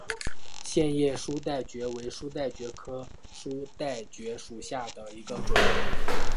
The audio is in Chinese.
线叶书带蕨为书带蕨科书带蕨属下的一个种。